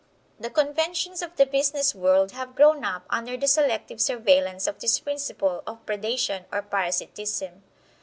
The conventions of the business world have grown up under the selective surveillance of this principle of predation or parasitism.